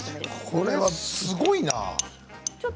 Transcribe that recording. これはすごいな。